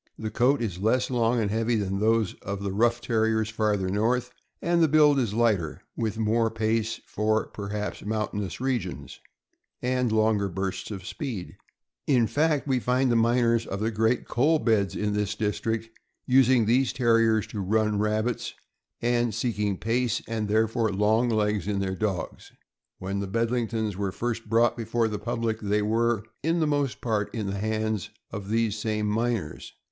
The coat is less long and heavy than those of the rough Terriers farther north, and the build is lighter, with more pace for, perhaps, mountainous regions, and longer bursts of speed; in fact, we find the miners of the great coal beds in this district using these Terriers to run rabbits, and seeking pace, and therefore long legs, in their dogs. When the Bedlingtons were first brought before the public, they were, in the most part, in the hands of these same miners.